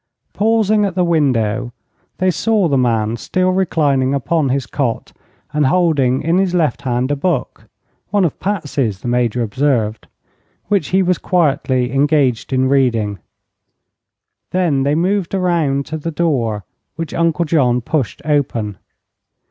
Pausing at the window, they saw the man still reclining upon his cot, and holding in his left hand a book one of Patsy's, the Major observed which he was quietly engaged in reading. Then they moved around to the door, which Uncle John pushed open.